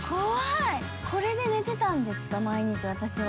これで寝てたんですか、毎日、私は。